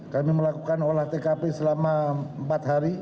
kami melakukan olah tkp selama empat hari